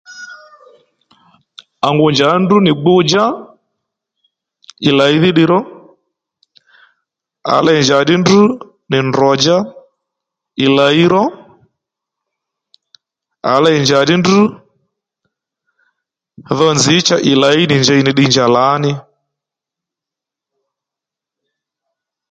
À ngù njàddí ndrǔ nì gbu-djá ì làyi mí ddiy ró à lêy njàddí ndrǔ nì drò-djá ì làyi ró à lěy njàddí ndrǔ dho nzǐ cha ì làyi nì njěy nì ddiy njà lǎní